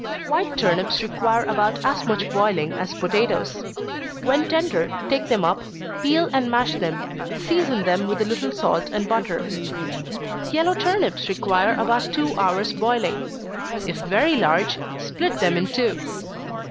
_ White turnips require about as much boiling as potatoes. When tender, take them up, peel and mash them season them with a little salt and butter. Yellow turnips require about two hours boiling if very large, split them in two.